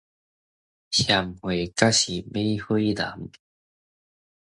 嫌貨才是買貨人